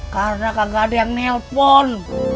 karena kagak ada yang nelpon